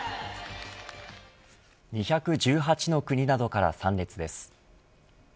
２１８の国などから参列です。